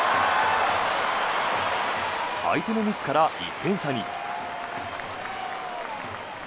相手のミスから１点差に。